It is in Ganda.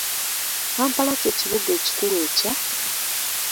Kampala kye kibuga ekikulu ekya?